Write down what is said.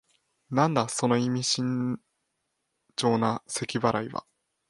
なんだ、その意味深長なせき払いは。